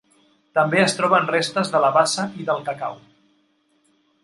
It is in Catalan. També es troben restes de la bassa i del cacau.